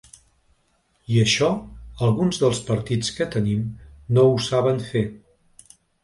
I això, alguns dels partits que tenim, no ho saben fer.